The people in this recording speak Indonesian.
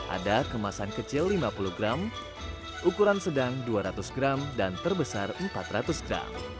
ada kemasan kecil lima puluh gram ukuran sedang dua ratus gram dan terbesar empat ratus gram